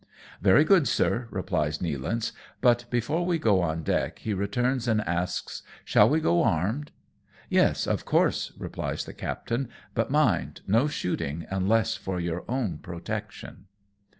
" Very good, sir/' replies Nealance ; but before we go on deck he returns and asks, " Shall we go armed ?"" Yes, of course,'' replies the captain ;" but mind, no shooting, unless for your own protection."